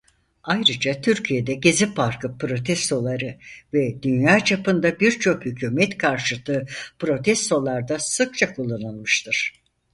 Ayrıca Türkiye'de Gezi Parkı Protestoları ve dünya çapında birçok hükûmet karşıtı protestolarda sıkça kullanılmıştır.